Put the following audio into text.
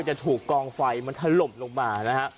จะถูกกองไฟมันถล่มลงมานะฮะ